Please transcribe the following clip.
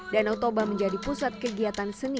danau toba menjadi pusat kegiatan seni